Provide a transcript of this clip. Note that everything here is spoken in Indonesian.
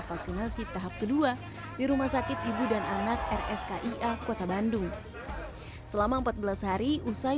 vaksinasi tahap kedua di rumah sakit ibu dan anak rskia kota bandung selama empat belas hari usai